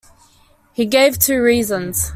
He gave two reasons.